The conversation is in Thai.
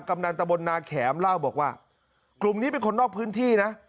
กำนันตะบนนาแขมเล่าบอกว่ากลุ่มนี้เป็นคนนอกพื้นที่นะ